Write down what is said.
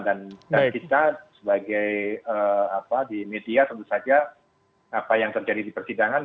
dan kita sebagai di media tentu saja apa yang terjadi di pertidangan